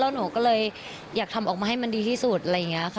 หนูก็เลยอยากทำออกมาให้มันดีที่สุดอะไรอย่างนี้ค่ะ